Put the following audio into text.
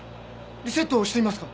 リセット押してみますか？